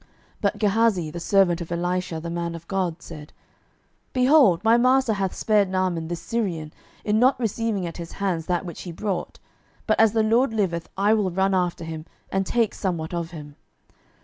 12:005:020 But Gehazi, the servant of Elisha the man of God, said, Behold, my master hath spared Naaman this Syrian, in not receiving at his hands that which he brought: but, as the LORD liveth, I will run after him, and take somewhat of him.